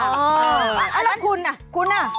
อะไรนะคุณอะคุณอะ